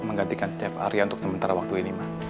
menggantikan chef arya untuk sementara waktu ini